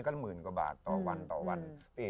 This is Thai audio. วันนี้เราต้องหาให้ได้